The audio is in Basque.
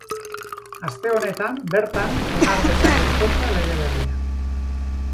Aste honetan bertan onar dezake ezkontza lege berria.